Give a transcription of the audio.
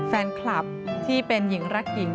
แฟนคลับที่เป็นหญิงรักหญิง